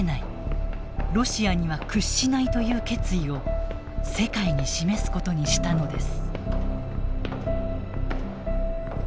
ロシアには屈しない」という決意を世界に示すことにしたのです。